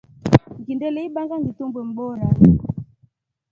Ngindelye ibanga ngitumbwe mboora.